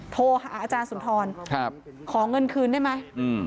โทรหาอาจารย์สุนทรขอเงินคืนได้ไหม